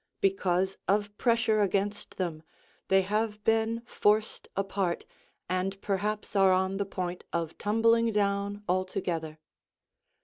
Because of pressure against them, they have been forced apart and perhaps are on the point of tumbling down altogether.